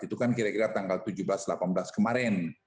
itu kan kira kira tanggal tujuh belas delapan belas kemarin